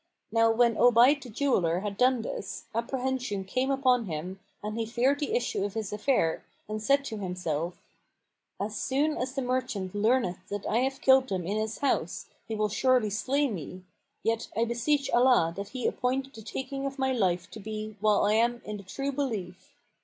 Now when Obayd the ]eweller had done this, apprehension came upon him and he feared the issue of his affair and said to himself, "As soon as the merchant learneth that I have killed them in his house, he will surely slay me; yet I beseech Allah that He appoint the taking of my life to be while I am in the True Belief!"